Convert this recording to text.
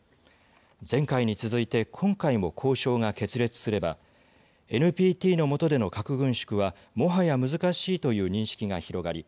前回に続いて今回も交渉が決裂すればＮＰＴのもとでの核軍縮はもはや難しいという認識が広がり